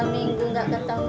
minggu gak ketemu